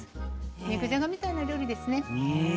肉じゃがみたいな料理ですね。